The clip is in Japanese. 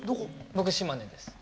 僕島根です。